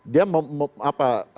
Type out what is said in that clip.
dia mau apa